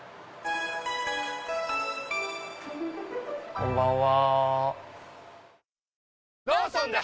こんばんは。